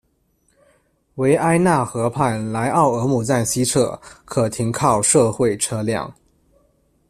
维埃纳河畔莱奥尔姆站西侧可停靠社会车辆。